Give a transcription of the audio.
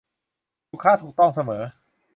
ลูกค้าถูกต้องเสมอ